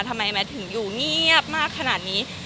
ทำไมแมทถึงอยู่เงียบมากขนาดนี้